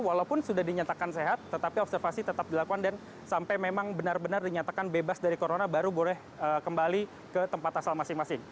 walaupun sudah dinyatakan sehat tetapi observasi tetap dilakukan dan sampai memang benar benar dinyatakan bebas dari corona baru boleh kembali ke tempat asal masing masing